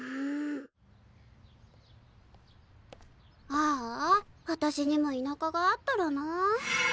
あああたしにも田舎があったらなあ。